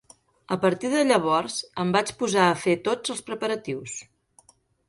A partir de llavors, em vaig posar a fer tots els preparatius.